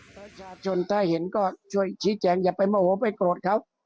ประชาชนถ้าเห็นก็ช่วยชี้แจงอย่าไปโมโหไปโกรธเขา